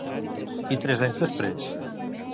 I tres anys després?